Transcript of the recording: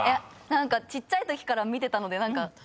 何かちっちゃいときから見てたので。